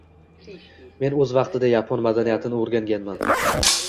Men oʻz vaqtida Yapon madaniyatini oʻrganganman